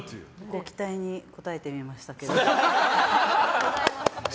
ご期待に応えてみましたけど。